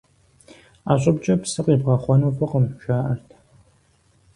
Ӏэ щӀыбкӀэ псы къибгъэхъуэну фӀыкъым, жаӀэрт.